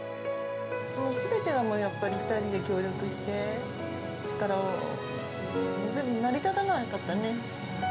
すべてをやっぱり２人で協力して、力を、成り立たなかったよね？